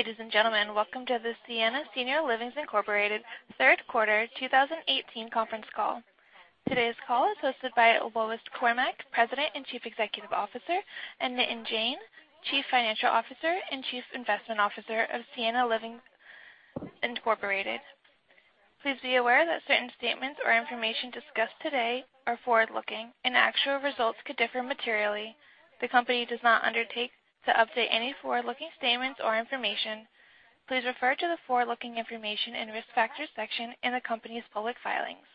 Ladies and gentlemen, welcome to the Sienna Senior Living Incorporated third quarter 2018 conference call. Today's call is hosted by Lois Cormack, President and Chief Executive Officer, and Nitin Jain, Chief Financial Officer and Chief Investment Officer of Sienna Senior Living Incorporated. Please be aware that certain statements or information discussed today are forward-looking, and actual results could differ materially. The company does not undertake to update any forward-looking statements or information. Please refer to the forward-looking information and risk factors section in the company's public filings,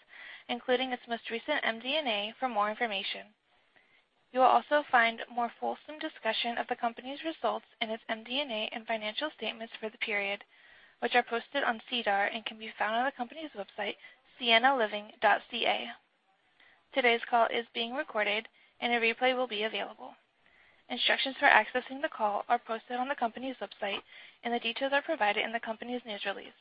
including its most recent MD&A for more information. You will also find more fulsome discussion of the company's results in its MD&A and financial statements for the period, which are posted on SEDAR and can be found on the company's website, siennaliving.ca. Today's call is being recorded, and a replay will be available. Instructions for accessing the call are posted on the company's website, the details are provided in the company's news release.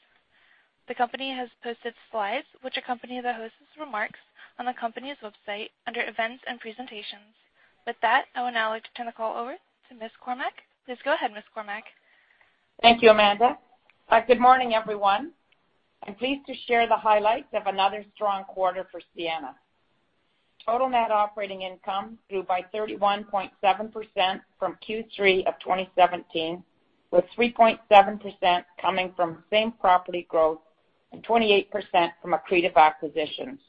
The company has posted slides which accompany the host's remarks on the company's website under Events and Presentations. With that, I would now like to turn the call over to Ms. Cormack. Please go ahead, Ms. Cormack. Thank you, Amanda. Good morning, everyone. I'm pleased to share the highlights of another strong quarter for Sienna. Total net operating income grew by 31.7% from Q3 of 2017, with 3.7% coming from same-property growth and 28% from accretive acquisitions.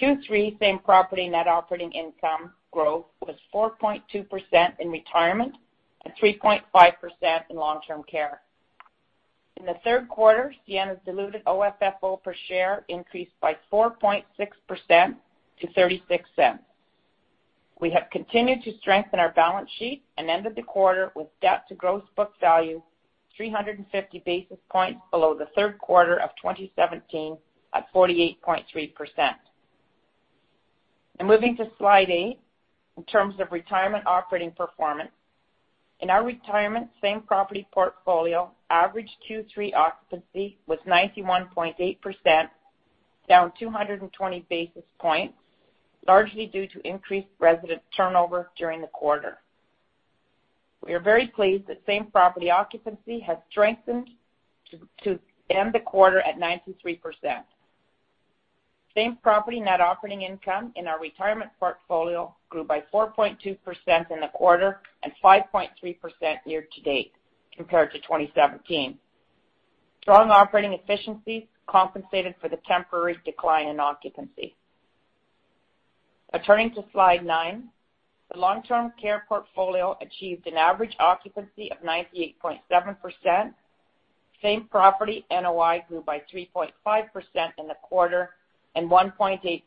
Q3 same-property net operating income growth was 4.2% in retirement and 3.5% in long-term care. In the third quarter, Sienna's diluted OFFO per share increased by 4.6% to 0.36. We have continued to strengthen our balance sheet and ended the quarter with debt to gross book value 350 basis points below the third quarter of 2017 at 48.3%. Moving to slide eight, in terms of retirement operating performance. In our retirement same-property portfolio, average Q3 occupancy was 91.8%, down 220 basis points, largely due to increased resident turnover during the quarter. We are very pleased that same-property occupancy has strengthened to end the quarter at 93%. Same-property net operating income in our retirement portfolio grew by 4.2% in the quarter and 5.3% year-to-date compared to 2017. Strong operating efficiencies compensated for the temporary decline in occupancy. Turning to slide nine, the long-term care portfolio achieved an average occupancy of 98.7%. Same property NOI grew by 3.5% in the quarter and 1.8%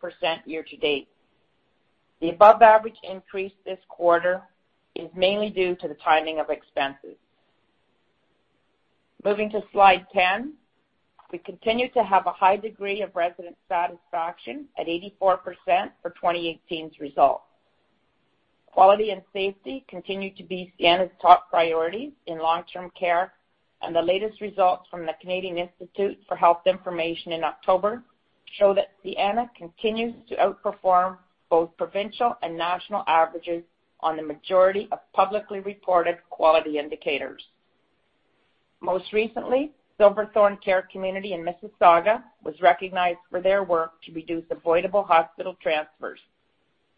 year-to-date. The above-average increase this quarter is mainly due to the timing of expenses. Moving to slide 10, we continue to have a high degree of resident satisfaction at 84% for 2018's results. Quality and safety continue to be Sienna's top priority in long-term care, and the latest results from the Canadian Institute for Health Information in October show that Sienna continues to outperform both provincial and national averages on the majority of publicly reported quality indicators. Most recently, Silverthorn Care Community in Mississauga was recognized for their work to reduce avoidable hospital transfers.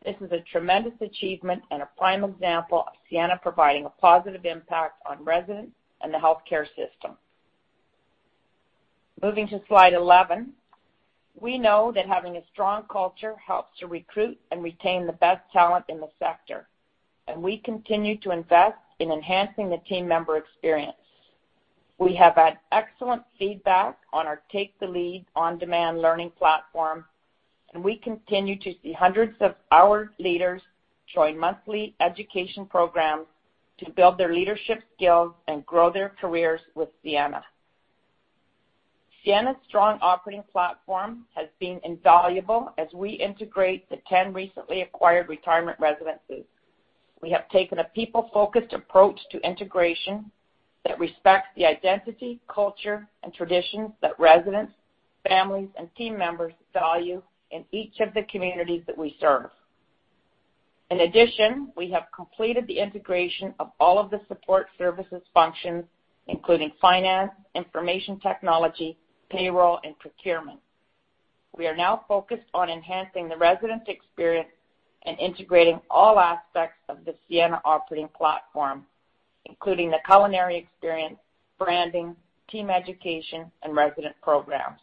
This is a tremendous achievement and a prime example of Sienna providing a positive impact on residents and the healthcare system. Moving to slide 11, we know that having a strong culture helps to recruit and retain the best talent in the sector, and we continue to invest in enhancing the team member experience. We have had excellent feedback on our Take the Lead on-demand learning platform, and we continue to see hundreds of our leaders join monthly education programs to build their leadership skills and grow their careers with Sienna. Sienna's strong operating platform has been invaluable as we integrate the 10 recently acquired retirement residences. We have taken a people-focused approach to integration that respects the identity, culture, and traditions that residents, families, and team members value in each of the communities that we serve. In addition, we have completed the integration of all of the support services functions, including finance, information technology, payroll, and procurement. We are now focused on enhancing the resident experience and integrating all aspects of the Sienna operating platform, including the culinary experience, branding, team education, and resident programs.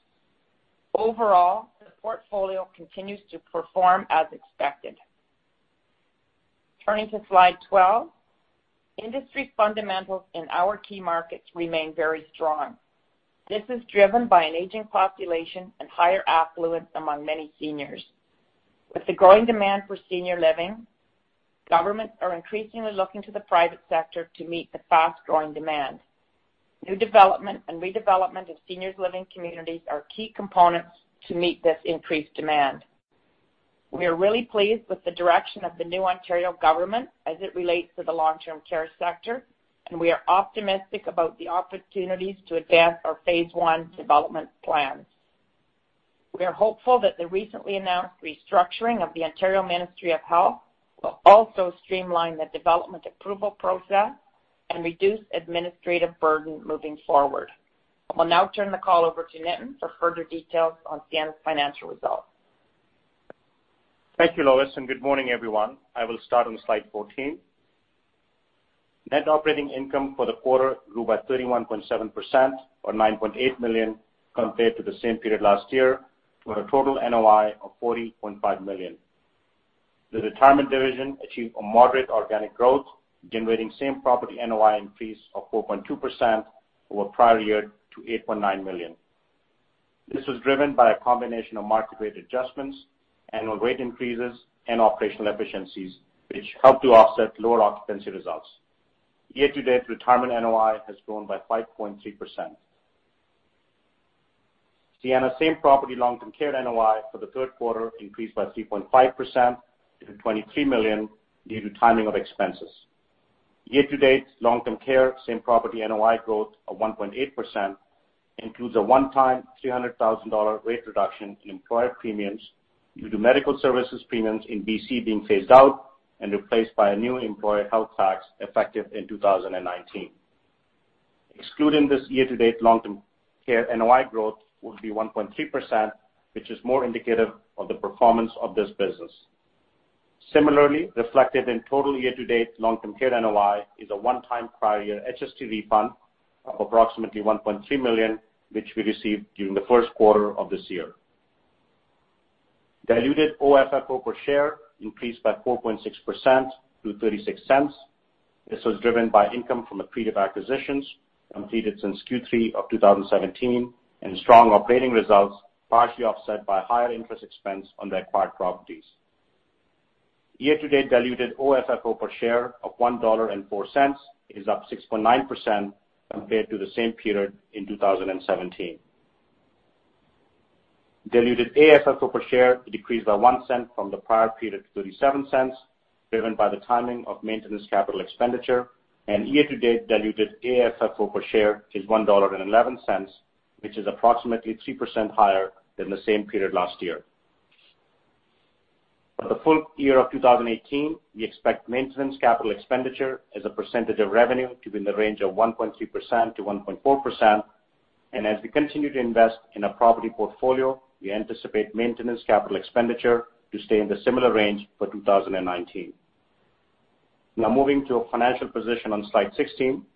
Overall, the portfolio continues to perform as expected. Turning to slide 12, industry fundamentals in our key markets remain very strong. This is driven by an aging population and higher affluence among many seniors. With the growing demand for senior living, governments are increasingly looking to the private sector to meet the fast-growing demand. New development and redevelopment of seniors living communities are key components to meet this increased demand. We are really pleased with the direction of the new Ontario government as it relates to the long-term care sector, and we are optimistic about the opportunities to advance our phase one development plans. We are hopeful that the recently announced restructuring of the Ontario Ministry of Health will also streamline the development approval process and reduce administrative burden moving forward. I will now turn the call over to Nitin for further details on Sienna's financial results. Thank you, Lois, and good morning, everyone. I will start on slide 14. Net operating income for the quarter grew by 31.7%, or 9.8 million compared to the same period last year, for a total NOI of 40.5 million. The retirement division achieved a moderate organic growth, generating same-property NOI increase of 4.2% over prior year to 8.9 million. This was driven by a combination of market rate adjustments, annual rate increases, and operational efficiencies, which helped to offset lower occupancy results. Year-to-date, retirement NOI has grown by 5.3%. Sienna same-property long-term care NOI for the third quarter increased by 3.5% to 23 million due to timing of expenses. Year-to-date long-term care same-property NOI growth of 1.8% includes a one-time 300,000 dollar rate reduction in employer premiums due to medical services premiums in B.C. being phased out and replaced by a new employer health tax effective in 2019. Excluding this year-to-date long-term care NOI growth would be 1.3%, which is more indicative of the performance of this business. Similarly, reflected in total year-to-date long-term care NOI is a one-time prior year HST refund of approximately 1.3 million, which we received during the first quarter of this year. Diluted OFFO per share increased by 4.6% to 0.36. This was driven by income from accretive acquisitions completed since Q3 of 2017 and strong operating results, partially offset by higher interest expense on the acquired properties. Year-to-date diluted OFFO per share of 1.04 dollar is up 6.9% compared to the same period in 2017. Diluted AFFO per share decreased by 0.01 from the prior period to 0.37, driven by the timing of maintenance capital expenditure, and year-to-date diluted AFFO per share is 1.11 dollar, which is approximately 3% higher than the same period last year. For the full year of 2018, we expect maintenance capital expenditure as a percentage of revenue to be in the range of 1.3%-1.4%, and as we continue to invest in our property portfolio, we anticipate maintenance capital expenditure to stay in the similar range for 2019. Now, moving to our financial position on slide 16.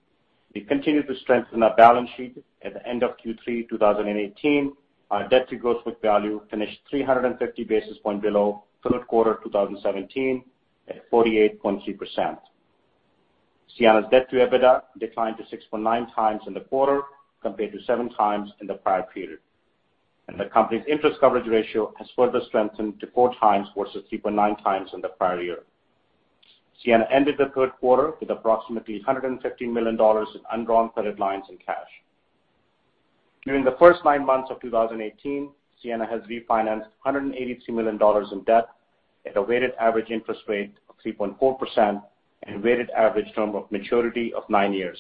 We continue to strengthen our balance sheet. At the end of Q3 2018, our debt-to-gross book value finished 350 basis points below third quarter 2017 at 48.3%. Sienna's debt to EBITDA declined to 6.9x in the quarter compared to 7x in the prior period. The company's interest coverage ratio has further strengthened to 4x versus 3.9x in the prior year. Sienna ended the third quarter with approximately 150 million dollars in undrawn credit lines and cash. During the first nine months of 2018, Sienna has refinanced 182 million dollars in debt at a weighted average interest rate of 3.4% and a weighted average term of maturity of nine years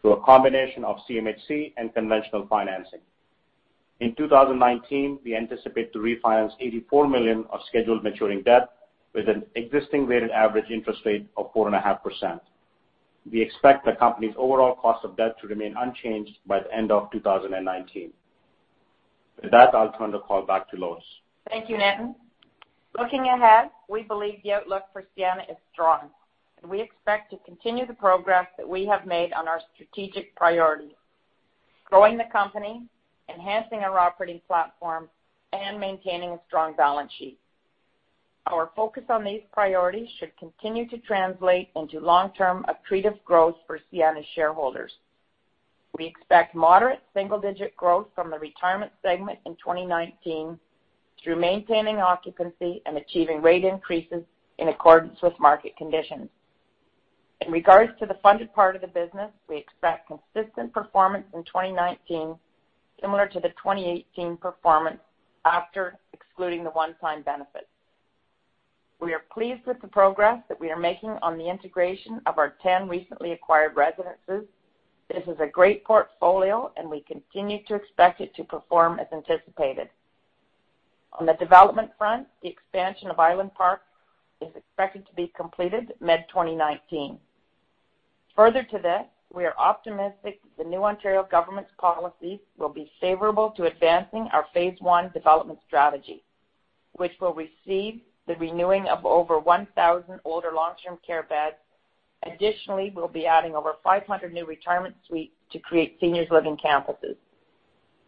through a combination of CMHC and conventional financing. In 2019, we anticipate to refinance 84 million of scheduled maturing debt with an existing weighted average interest rate of 4.5%. We expect the company's overall cost of debt to remain unchanged by the end of 2019. With that, I'll turn the call back to Lois. Thank you, Nitin. Looking ahead, we believe the outlook for Sienna is strong, and we expect to continue the progress that we have made on our strategic priorities, growing the company, enhancing our operating platform, and maintaining a strong balance sheet. Our focus on these priorities should continue to translate into long-term accretive growth for Sienna's shareholders. We expect moderate single-digit growth from the retirement segment in 2019 through maintaining occupancy and achieving rate increases in accordance with market conditions. In regards to the funded part of the business, we expect consistent performance in 2019 similar to the 2018 performance after excluding the one-time benefits. We are pleased with the progress that we are making on the integration of our 10 recently acquired residences. This is a great portfolio, and we continue to expect it to perform as anticipated. On the development front, the expansion of Island Park is expected to be completed mid-2019. Further to this, we are optimistic the new Ontario government's policies will be favorable to advancing our phase one development strategy, which will receive the renewing of over 1,000 older long-term care beds. Additionally, we will be adding over 500 new retirement suites to create seniors living campuses.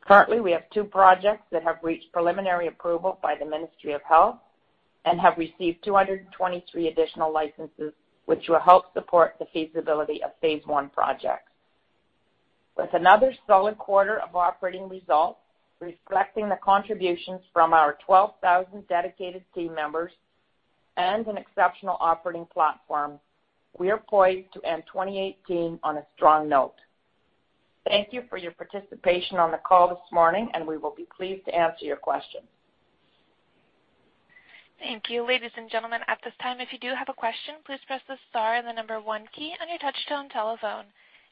Currently, we have two projects that have reached preliminary approval by the Ministry of Health and have received 223 additional licenses, which will help support the feasibility of phase one projects. With another solid quarter of operating results reflecting the contributions from our 12,000 dedicated team members and an exceptional operating platform, we are poised to end 2018 on a strong note. Thank you for your participation on the call this morning, we will be pleased to answer your questions Thank you. Ladies and gentlemen, at this time, if you do have a question, please press the star and the number one key on your touch-tone telephone.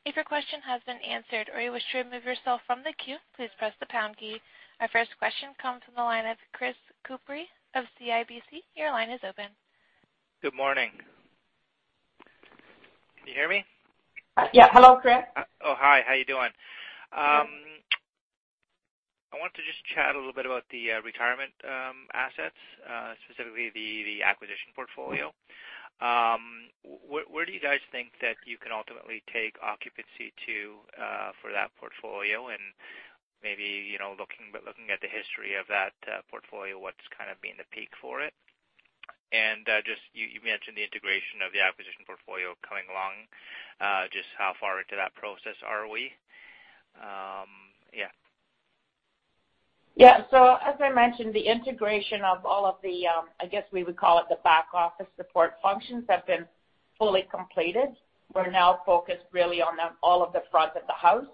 If your question has been answered or you wish to remove yourself from the queue, please press the pound key. Our first question comes from the line of Chris Couprie of CIBC. Your line is open. Good morning. Can you hear me? Yeah. Hello, Chris. Oh, hi. How you doing? I want to just chat a little bit about the retirement assets, specifically the acquisition portfolio. Where do you guys think that you can ultimately take occupancy to for that portfolio? Maybe looking at the history of that portfolio, what's kind of been the peak for it? You mentioned the integration of the acquisition portfolio coming along. Just how far into that process are we? Yeah. Yeah. As I mentioned, the integration of all of the, I guess we would call it the back office support functions, have been fully completed. We're now focused really on all of the fronts of the house.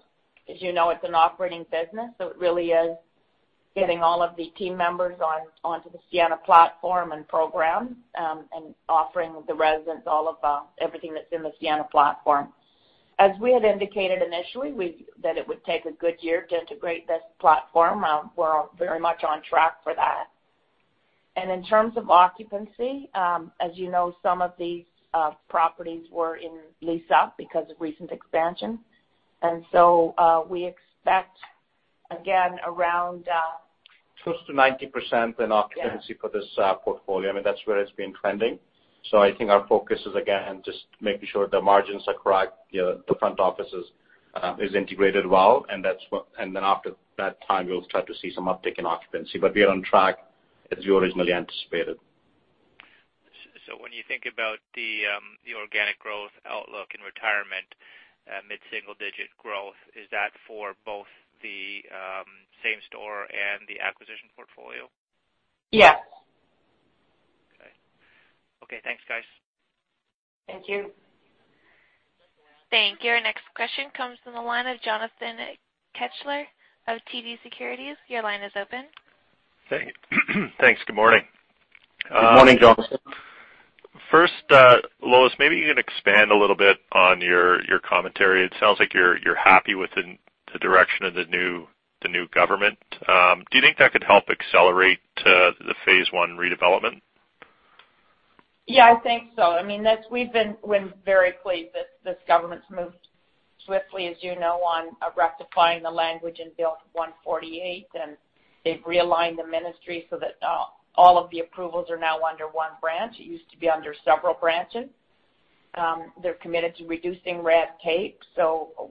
As you know, it's an operating business, so it really is getting all of the team members onto the Sienna platform and program, and offering the residents everything that's in the Sienna platform. As we had indicated initially, that it would take a good year to integrate this platform. We're very much on track for that. In terms of occupancy, as you know, some of these properties were in lease-up because of recent expansion. We expect, again, around. Close to 90% in occupancy for this portfolio. That's where it's been trending. I think our focus is, again, just making sure the margins are correct, the front office is integrated well, and then after that time, we'll start to see some uptick in occupancy. We are on track as we originally anticipated. When you think about the organic growth outlook in retirement, mid-single digit growth, is that for both the same store and the acquisition portfolio? Yes. Okay. Thanks, guys. Thank you. Thank you. Our next question comes from the line of Jonathan Kelcher of TD Securities. Your line is open. Thanks. Good morning. Good morning, Jonathan. First, Lois, maybe you can expand a little bit on your commentary. It sounds like you are happy with the direction of the new government. Do you think that could help accelerate the phase one redevelopment? Yeah, I think so. We've been very pleased that this government's moved swiftly, as you know, on rectifying the language in Bill 148, and they've realigned the Ministry so that all of the approvals are now under one branch. It used to be under several branches. They're committed to reducing red tape.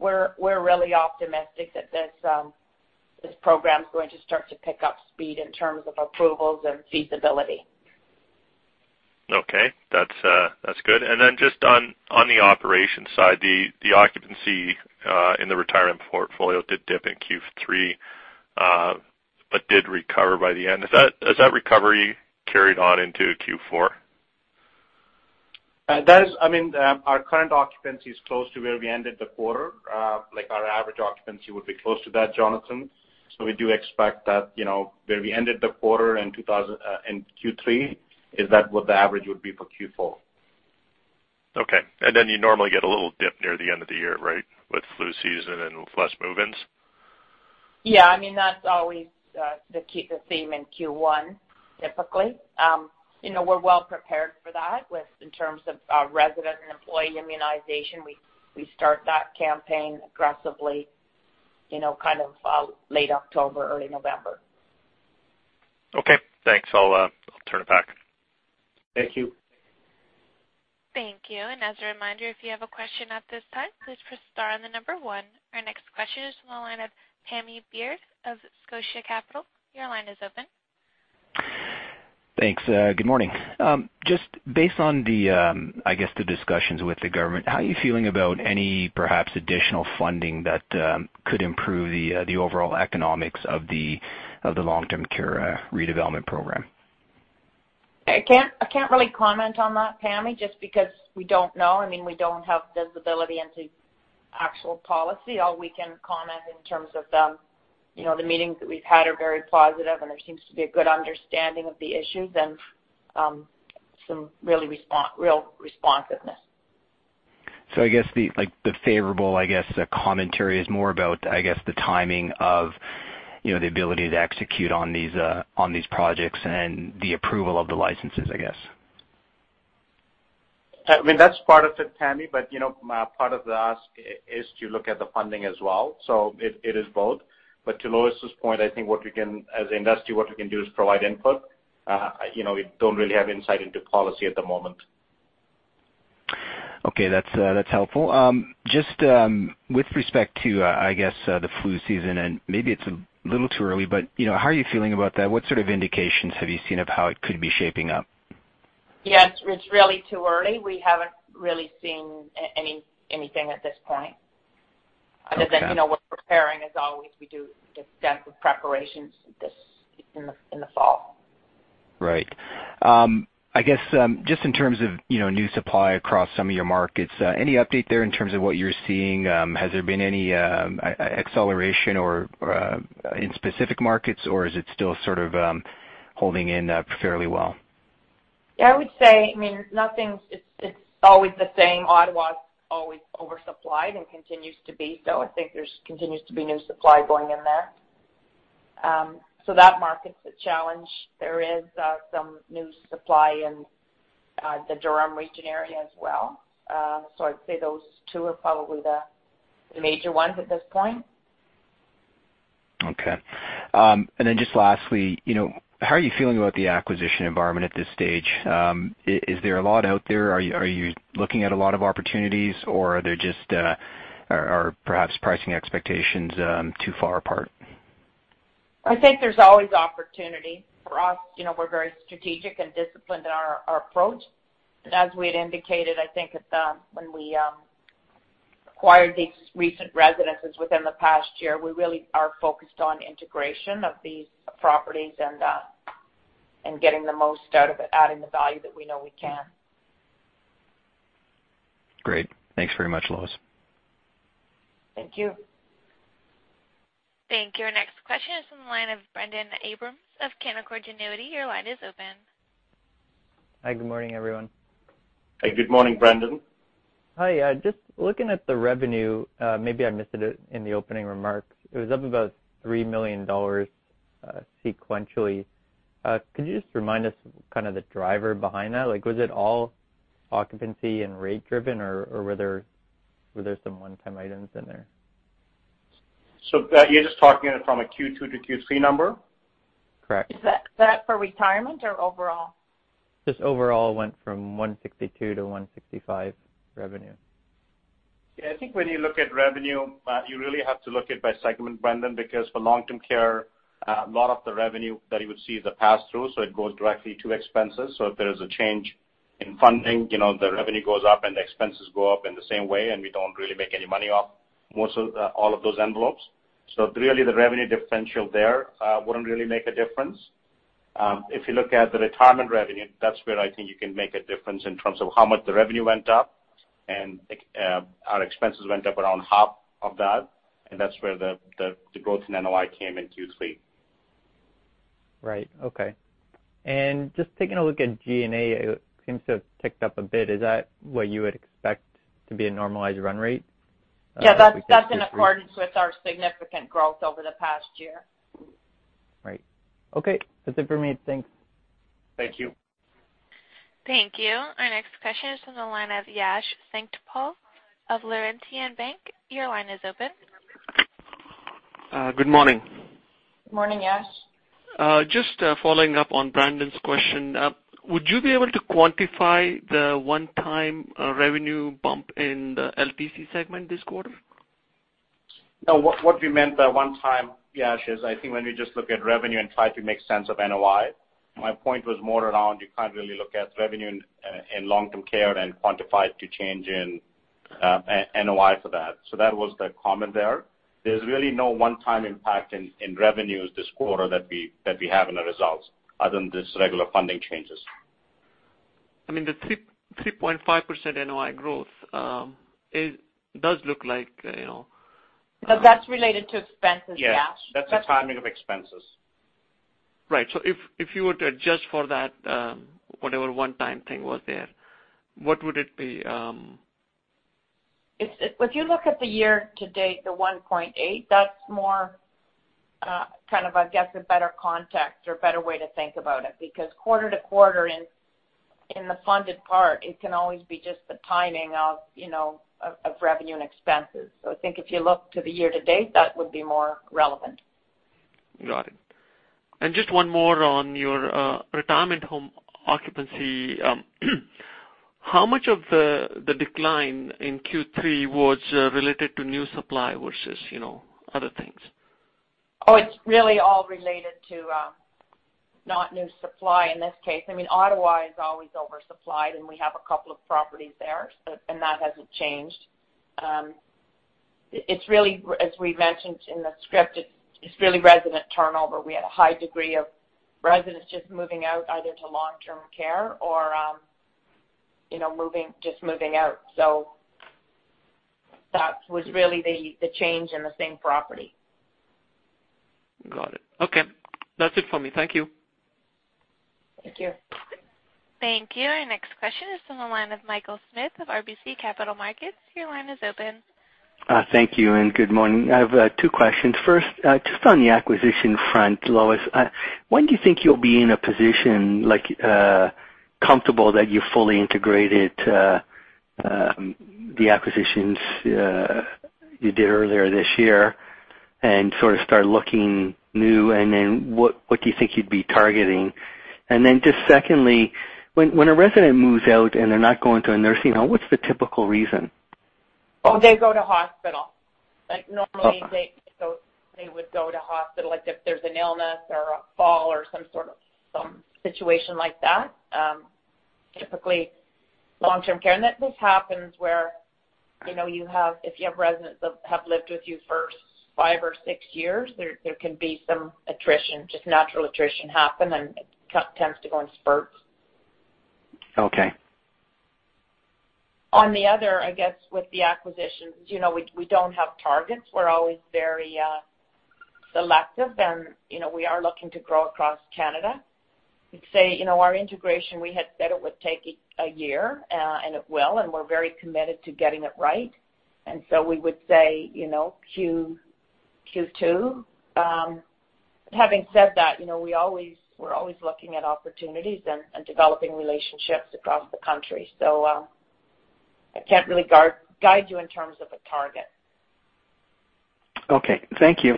We're really optimistic that this program's going to start to pick up speed in terms of approvals and feasibility. Okay. That's good. Just on the operations side, the occupancy in the retirement portfolio did dip in Q3, but did recover by the end. Has that recovery carried on into Q4? Our current occupancy is close to where we ended the quarter. Our average occupancy would be close to that, Jonathan. We do expect that, where we ended the quarter in Q3, is that what the average would be for Q4. Okay. You normally get a little dip near the end of the year, right? With flu season and less move-ins. Yeah. That's always the theme in Q1, typically. We're well prepared for that in terms of resident and employee immunization. We start that campaign aggressively, kind of late October, early November. Okay. Thanks. I'll turn it back. Thank you. Thank you. As a reminder, if you have a question at this time, please press star and the number one. Our next question is from the line of Pammi Bir of Scotia Capital. Your line is open. Thanks. Good morning. Just based on the, I guess, the discussions with the government, how are you feeling about any perhaps additional funding that could improve the overall economics of the long-term care redevelopment program? I can't really comment on that, Pammi, just because we don't know. We don't have visibility into actual policy. All we can comment in terms of the meetings that we've had are very positive, and there seems to be a good understanding of the issues and some real responsiveness. I guess the favorable commentary is more about, I guess, the timing of the ability to execute on these projects and the approval of the licenses, I guess. That's part of it, Pammi. But part of the ask is to look at the funding as well, so it is both. But to Lois' point, I think as an industry, what we can do is provide input. We don't really have insight into policy at the moment. That's helpful. Just with respect to, I guess, the flu season, and maybe it's a little too early, but how are you feeling about that? What sort of indications have you seen of how it could be shaping up? It's really too early. We haven't really seen anything at this point. Other than, we're preparing as always. We do extensive preparations in the fall. Right. I guess, just in terms of new supply across some of your markets, any update there in terms of what you're seeing? Has there been any acceleration in specific markets, or is it still sort of holding in fairly well? Yeah, I would say, it's always the same. Ottawa's always oversupplied and continues to be. I think there continues to be new supply going in there. That market's a challenge. There is some new supply in the Durham Region area as well. I'd say those two are probably the major ones at this point. Okay. Just lastly, how are you feeling about the acquisition environment at this stage? Is there a lot out there? Are you looking at a lot of opportunities, or perhaps pricing expectations too far apart? I think there's always opportunity. For us, we're very strategic and disciplined in our approach. As we had indicated, I think when we acquired these recent residences within the past year, we really are focused on integration of these properties and getting the most out of it, adding the value that we know we can. Great. Thanks very much, Lois. Thank you. Thank you. Our next question is from the line of Brendon Abrams of Canaccord Genuity. Your line is open. Hi, good morning, everyone. Hey, good morning, Brendon. Hi, just looking at the revenue, maybe I missed it in the opening remarks. It was up about 3 million dollars sequentially. Could you just remind us kind of the driver behind that? Was it all occupancy and rate driven, or were there some one-time items in there? You're just talking from a Q2 to Q3 number? Correct. Is that for retirement or overall? Just overall went from 162 million-165 million revenue. I think when you look at revenue, you really have to look it by segment, Brendon, because for long-term care, a lot of the revenue that you would see is a pass-through. It goes directly to expenses. If there is a change in funding, the revenue goes up and the expenses go up in the same way, and we don't really make any money off all of those envelopes. Really, the revenue differential there wouldn't really make a difference. If you look at the retirement revenue, that's where I think you can make a difference in terms of how much the revenue went up, and our expenses went up around half of that, and that's where the growth in NOI came in Q3. Right. Okay. Just taking a look at G&A, it seems to have ticked up a bit. Is that what you would expect to be a normalized run rate? That's in accordance with our significant growth over the past year. Right. Okay. That's it for me. Thanks. Thank you. Thank you. Our next question is from the line of Yash Sankpal of Laurentian Bank. Your line is open. Good morning. Morning, Yash. Just following up on Brendon's question. Would you be able to quantify the one-time revenue bump in the LTC segment this quarter? No, what we meant by one time, Yash, is I think when we just look at revenue and try to make sense of NOI, my point was more around, you can't really look at revenue in long-term care and quantify it to change in NOI for that. That was the comment there. There's really no one-time impact in revenues this quarter that we have in the results, other than just regular funding changes. I mean, the 3.5% NOI growth does look like. That's related to expenses, Yash. Yes. That's the timing of expenses. Right. If you were to adjust for that, whatever one-time thing was there, what would it be? If you look at the year-to-date, the 1.8 million, that's more kind of, I guess, a better context or better way to think about it, because quarter-to-quarter in the funded part, it can always be just the timing of revenue and expenses. I think if you look to the year-to-date, that would be more relevant. Got it. Just one more on your retirement home occupancy. How much of the decline in Q3 was related to new supply versus other things? It's really all related to not new supply in this case. Ottawa is always oversupplied, and we have a couple of properties there, and that hasn't changed. As we mentioned in the script, it's really resident turnover. We had a high degree of residents just moving out, either to long-term care or just moving out. That was really the change in the same property. Got it. Okay. That's it for me. Thank you. Thank you. Thank you. Our next question is from the line of Michael Smith of RBC Capital Markets. Your line is open. Thank you. Good morning. I have two questions. First, just on the acquisition front, Lois, when do you think you'll be in a position, comfortable that you fully integrated the acquisitions you did earlier this year and sort of start looking new? What do you think you'd be targeting? Just secondly, when a resident moves out and they're not going to a nursing home, what's the typical reason? They go to hospital. Like, normally they would go to hospital, like if there's an illness or a fall or some situation like that. Typically, long-term care. This happens where, if you have residents that have lived with you for five or six years, there can be some attrition, just natural attrition happen. It tends to go in spurts. Okay. On the other, I guess with the acquisitions, we don't have targets. We're always very selective. We are looking to grow across Canada. I'd say, our integration, we had said it would take a year, and it will. We're very committed to getting it right. We would say, Q2. Having said that, we're always looking at opportunities and developing relationships across the country. I can't really guide you in terms of a target. Okay. Thank you.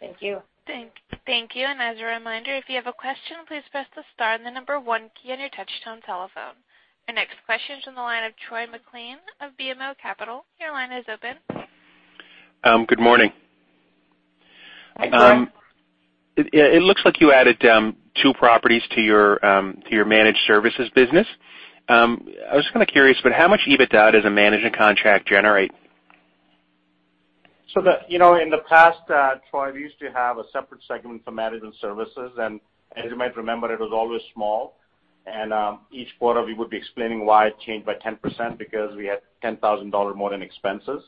Thank you. Thank you. As a reminder, if you have a question, please press the star and the number one key on your touchtone telephone. Our next question is from the line of Troy MacLean of BMO Capital. Your line is open. Good morning. Hi, Troy. It looks like you added two properties to your managed services business. I was just curious, how much EBITDA does a management contract generate? In the past, Troy, we used to have a separate segment for management services, and as you might remember, it was always small. Each quarter we would be explaining why it changed by 10% because we had 10,000 dollar more in expenses.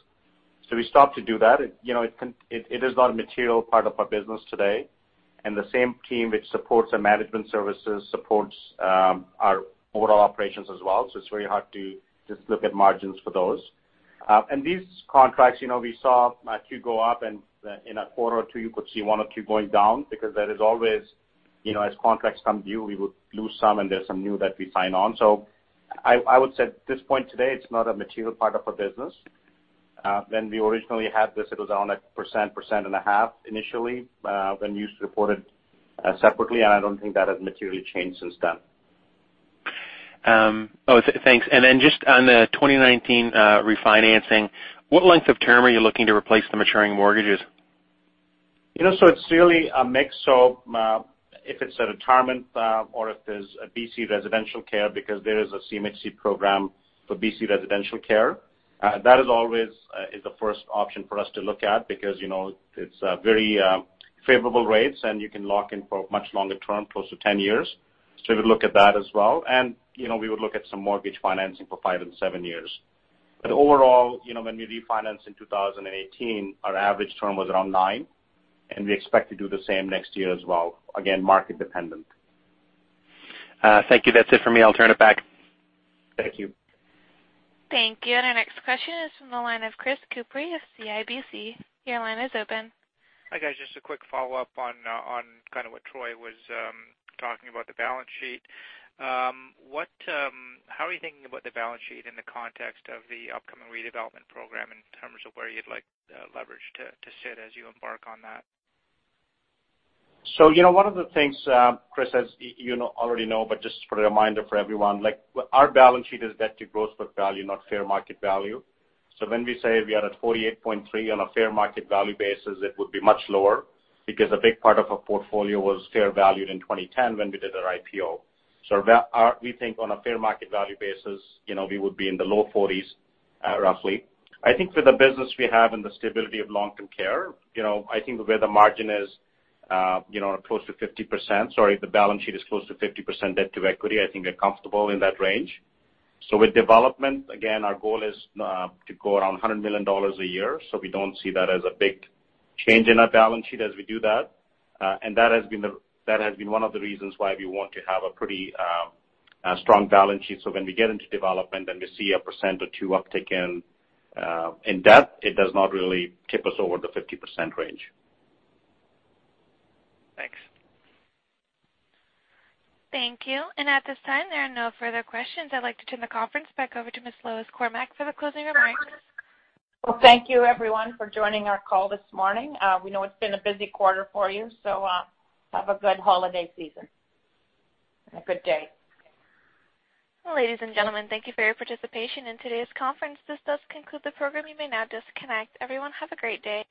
We stopped to do that. It is not a material part of our business today. The same team which supports our management services supports our overall operations as well. It's very hard to just look at margins for those. These contracts, we saw a few go up, and in a quarter or two you could see one or two going down because there is always, as contracts come due, we would lose some, and there's some new that we sign on. I would say at this point today, it's not a material part of our business. When we originally had this, it was around 1%, 1.5% initially, when we used to report it separately, I don't think that has materially changed since then. Thanks. Just on the 2019 refinancing, what length of term are you looking to replace the maturing mortgages? It's really a mix of, if it's a retirement, or if it's a BC residential care, because there is a CMHC program for BC residential care. That is always the first option for us to look at because it's very favorable rates, and you can lock in for a much longer term, close to 10 years. We would look at that as well, and we would look at some mortgage financing for five and seven years. Overall, when we refinance in 2018, our average term was around nine, and we expect to do the same next year as well. Again, market dependent. Thank you. That's it for me. I'll turn it back. Thank you. Thank you. Our next question is from the line of Chris Couprie of CIBC. Your line is open. Hi, guys. Just a quick follow-up on kind of what Troy was talking about the balance sheet. How are you thinking about the balance sheet in the context of the upcoming redevelopment program in terms of where you'd like the leverage to sit as you embark on that? One of the things, Chris, as you already know, but just a reminder for everyone, our balance sheet is debt to gross book value, not fair market value. When we say we are at 48.3% on a fair market value basis, it would be much lower because a big part of our portfolio was fair valued in 2010 when we did our IPO. We think on a fair market value basis, we would be in the low 40s, roughly. I think for the business we have and the stability of long-term care, I think where the margin is close to 50%, sorry, the balance sheet is close to 50% debt to equity, I think we're comfortable in that range. With development, again, our goal is to go around 100 million dollars a year. We don't see that as a big change in our balance sheet as we do that. That has been one of the reasons why we want to have a pretty strong balance sheet. When we get into development and we see a percent or two uptick in debt, it does not really tip us over the 50% range. Thanks. Thank you. At this time, there are no further questions. I'd like to turn the conference back over to Ms. Lois Cormack for the closing remarks. Well, thank you everyone for joining our call this morning. We know it's been a busy quarter for you, have a good holiday season and a good day. Ladies and gentlemen, thank you for your participation in today's conference. This does conclude the program. You may now disconnect. Everyone, have a great day.